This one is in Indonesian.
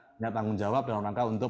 punya tanggung jawab dalam rangka untuk